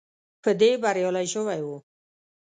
په دې بریالی شوی وو.